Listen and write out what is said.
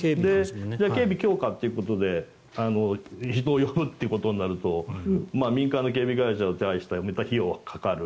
警備を強化ということで人を呼ぶとなると民間の警備会社を手配してまた費用がかかる。